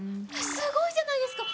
すごいじゃないですか！